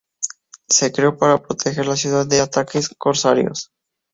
Se creó para proteger la ciudad de ataques corsarios.